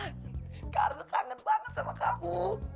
kak arul kangen banget sama kamu